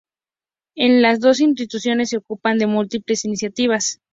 Las dos instituciones se ocupan de múltiples iniciativas.